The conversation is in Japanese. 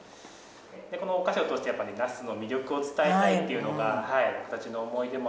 このお菓子を通してやっぱり那須の魅力を伝えたいっていうのが僕たちの思いでもあるので。